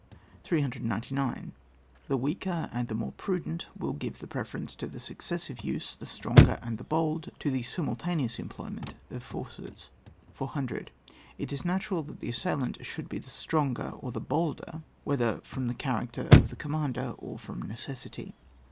399. The weaker and the more prudent will g^ve the preference to the successive use, the stronger and the bold to the simultaneous employment of the forces. 400. It is natural that the assailant should be the stronger^ or the holder^ whether from the character of the com mander or from necessity.